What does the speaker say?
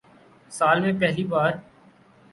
سال میں پہلی بار